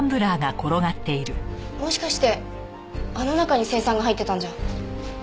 もしかしてあの中に青酸が入ってたんじゃ。